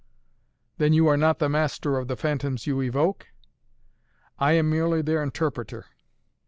"Then you are not the master of the phantoms you evoke?" "I am merely their interpreter!"